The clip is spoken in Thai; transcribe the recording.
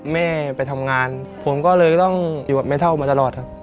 แม่ไปทำงานผมก็เลยต้องอยู่กับแม่เท่ามาตลอดครับ